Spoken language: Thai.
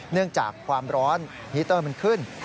เนื่องจากความร้อนฮิตเตอร์มันขึ้น